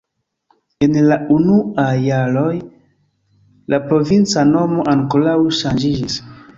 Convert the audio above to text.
En la unuaj jaroj la provinca nomo ankoraŭ ŝanĝiĝis.